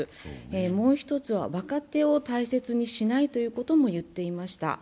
もう一つは若手を大切にしないということも言っていました。